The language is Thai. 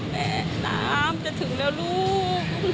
แต่น้ำจะถึงแล้วลูก